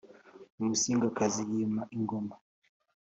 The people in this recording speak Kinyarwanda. umusingakazi yima ingoma